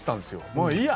もういいや！